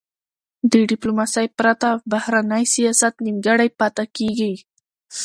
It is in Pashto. د ډیپلوماسی پرته، بهرنی سیاست نیمګړی پاته کېږي.